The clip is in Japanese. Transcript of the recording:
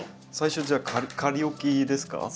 最初じゃあ仮置きですか？